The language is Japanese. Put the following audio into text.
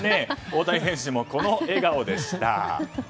大谷選手もこの笑顔でした。